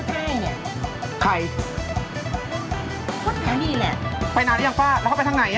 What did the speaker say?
แล้วยังป้าแล้วเข้าไปทางไหน